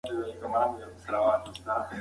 تاسې ولې د ډوډۍ خوړلو وروسته مسواک نه وهئ؟